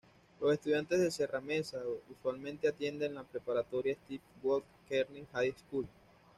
Los estudiantes de Serra Mesa usualmente atienden la preparatoria Stephen Watts Kearny High School.